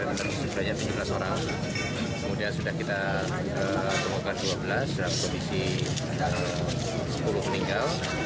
sebenarnya tujuh belas orang kemudian sudah kita temukan dua belas dalam kondisi sepuluh meninggal